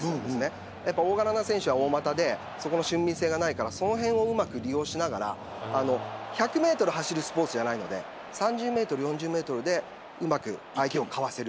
大柄な選手は俊敏性がないからそのへんをうまく利用しながら１００メートル走るスポーツじゃないので３０メートル、４０メートルでうまく相手をかわせる。